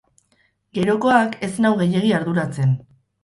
Gerokoak ez nau gehiegi arduratzen.